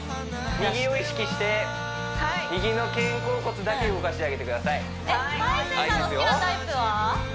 右を意識して右の肩甲骨だけ動かしてあげてくださいいいですよ